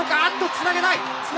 つなげない！